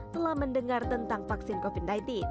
telah mendengar tentang vaksin covid sembilan belas